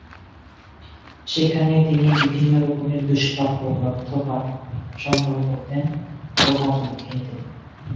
সেখানে তিনি বিভিন্ন রকমের দুষ্প্রাপ্য গ্রন্থ পাঠ সংগ্রহ করতেন ও হাতে লিখে নিতেন।